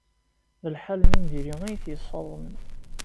D lḥal-nni n diri ay t-yessaḍnen.